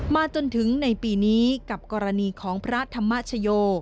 จนถึงในปีนี้กับกรณีของพระธรรมชโย